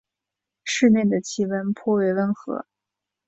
市内的气候颇为温和。